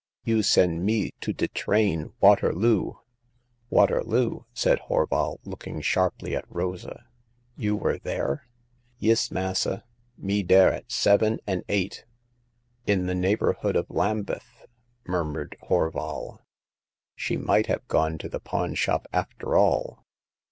You send me to de train Waterloo !"Waterloo !" said Horval, looking sharply at Rosa. *' You were there ?"Yis, massa ; me dere at seven and eight." In the neighborhood of Lambeth," mur mured Horval. She might have gone to the pawn shop after all."